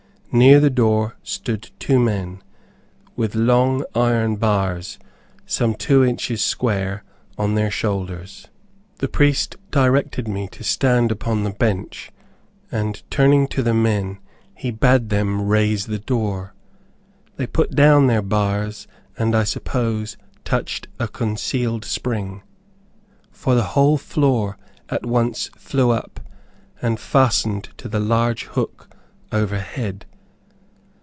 Near the door stood two men, with long iron bars, some two inches square, on their shoulders. The priest directed me to stand upon the bench, and turning to the men, he bade them raise the door. They put down their bars, and I suppose touched a concealed spring, for the whole floor at once flew up, and fastened to the large hook over head.